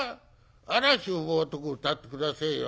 『嵐を呼ぶ男』を歌って下せえよ」。